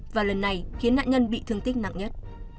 và lần này khiến nạn nhân bị thương tích nặng nhất